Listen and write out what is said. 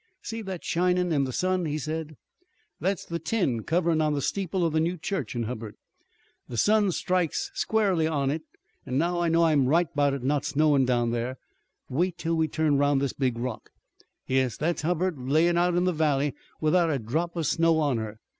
"See that shinin' in the sun," he said. "That's the tin coverin' on the steeple of the new church in Hubbard. The sun strikes squar'ly on it, an' now I know I'm right 'bout it not snowin' down thar. Wait 'til we turn 'roun' this big rock. Yes, thar's Hubbard, layin' out in the valley without a drop of snow on her.